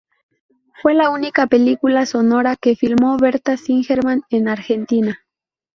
Fue la única película sonora que filmó Berta Singerman en Argentina.